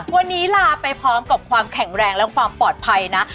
วันนี้ลาไปพร้อมกับความแข็งแรงและความปลอดภัยนะ